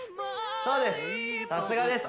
そうです